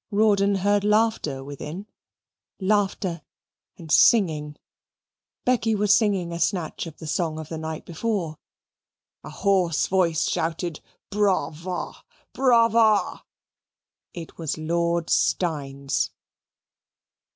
Rawdon heard laughter within laughter and singing. Becky was singing a snatch of the song of the night before; a hoarse voice shouted "Brava! Brava!" it was Lord Steyne's.